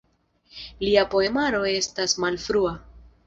Lia poemaro estis malfrua.